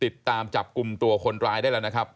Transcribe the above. ติดตามจับกลุ่มตัวคนร้ายได้แล้วนะครับ